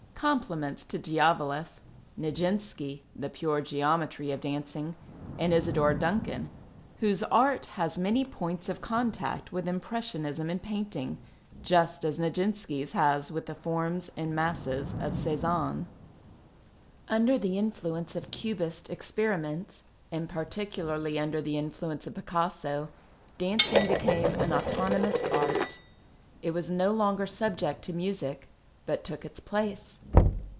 Compliments to Uiaghileff, Nijinsky (" the pure geometry "' of dancing), and Isadora Duueaii, " whose art has many points of eontaet with impres sionism in painting, just as Nijinsky *s has witji the L'.'i.'i PASTICHE AND PREJUDICE forms and masses of Cezanne." Under the influence of Cubist experiments, and particularly imder the influence of Picasso, dancing became an autonomous art. It was no longer subject to music, but took its place.